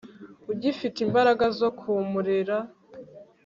ugifite imbaraga zo ku murerera